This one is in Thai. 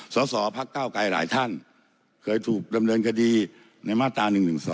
สสพักเก้าไกรหลายท่านเคยถูกดำเนินคดีในมาตรา๑๑๒